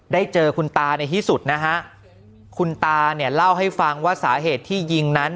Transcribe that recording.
เจอคุณตาในที่สุดนะฮะคุณตาเนี่ยเล่าให้ฟังว่าสาเหตุที่ยิงนั้น